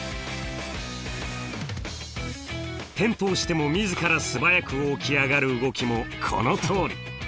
転倒しても自ら素早く起き上がる動きもこのとおり。